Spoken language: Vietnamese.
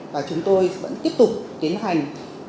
và chúng tôi vẫn tiếp tục tiến hành